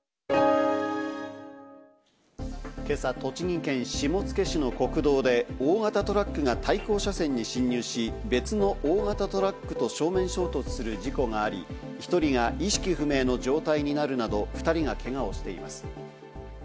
今朝、栃木県下野市の国道で、大型トラックが対向車線に進入し、別の大型トラックと正面衝突する事故があり、１人が意識不明の状態になるなど、２人がけがをしています。